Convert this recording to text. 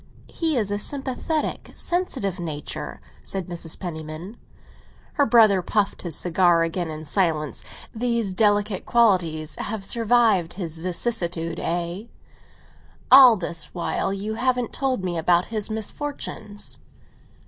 "He is a sympathetic, sensitive nature," said Mrs. Penniman. Her brother puffed his cigar again in silence. "These delicate qualities have survived his vicissitudes, eh? All this while you haven't told me about his misfortunes."